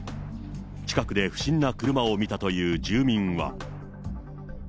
近くで不審な車を見たという住民は。